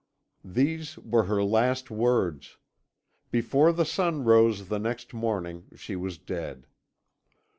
"These were her last words. Before the sun rose the next morning she was dead.